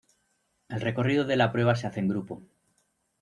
El recorrido de la prueba se hace en grupo.